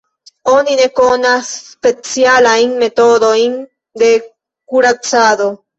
Oni ne konas specialajn metodojn de kuracado.